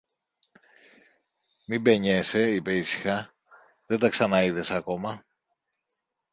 Μην παινιέσαι, είπε ήσυχα, δεν τα ξαναείδες ακόμα.